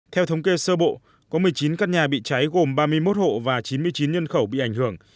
theo thống kê sơ bộ có một mươi chín căn nhà bị cháy gồm ba mươi một hộ và chín mươi chín nhân khẩu bị ảnh hưởng